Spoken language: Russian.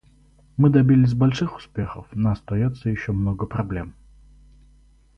Мы добились больших успехов, но остается еще много проблем.